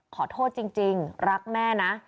ขอโทษจริงรักแม่นะ